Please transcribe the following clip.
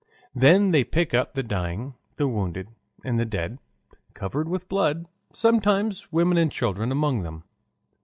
Then they pick up the dying, the wounded, and the dead, covered with blood, sometimes women and children among them.